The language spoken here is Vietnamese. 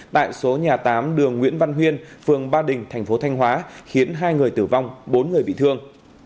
tại số nhà tám đường nguyễn văn huyên phường ba đình thành phố thanh hóa khiến hai người tử vong bốn người bị thương